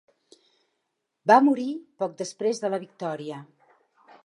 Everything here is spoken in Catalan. Va morir poc després de la victòria.